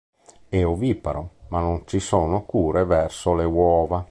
È oviparo, ma non ci sono cure verso le uova.